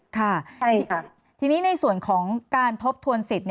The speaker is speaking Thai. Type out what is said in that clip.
ค่ะทีนี้ในส่วนของการทบทวนสิทธิ์